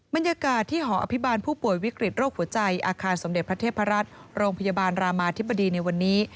บรรยากาศที่หออภิบาลผู้ป่วยวิกฤตโรคหัวใจอาคารสมเด็จพระเทพรัฐโรงพยาบาลรามาธิบดีในวันนี้